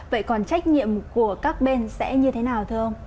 vậy còn trách nhiệm của các bên sẽ như thế nào thưa ông